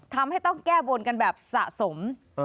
ทำให้ต้องแก้บนกันแบบสะสม